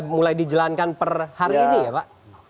sudah mulai di jelankan per hari ini ya pak